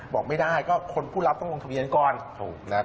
บอกไม่ได้ก็คนผู้รับต้องลงทะเบียนก่อน